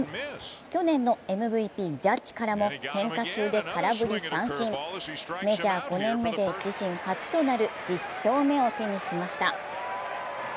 去年のＭＶＰ・ジャッジからも変化球で空振り三振メジャー５年目で自身初となる１０勝目を手にしました。